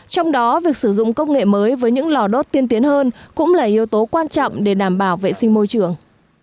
trong đó việc sử dụng công nghệ mới với những lò đốt tiên tiến hơn cũng là yếu tố quan trọng để đảm bảo vệ sinh môi trường